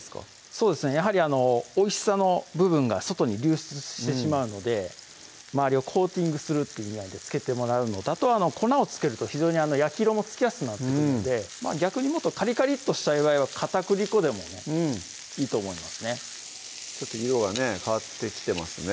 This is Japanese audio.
そうですねやはりおいしさの部分が外に流出してしまうので周りをコーティングするっていう意味合いで付けてもらうのとあとは粉を付けると焼き色もつきやすくなってくるので逆にカリカリッとしたい場合は片栗粉でもいいと思いますね色がね変わってきてますね